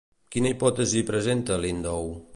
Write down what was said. Quina hipòtesi presenta Lindow?